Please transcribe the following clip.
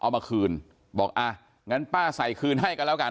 เอามาคืนบอกอ่ะงั้นป้าใส่คืนให้กันแล้วกัน